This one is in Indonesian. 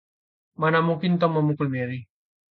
Mana mungkin Tom memukul Mary.